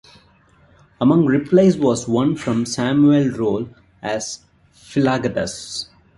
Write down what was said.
Among replies was one from Samuel Rolle as Philagathus.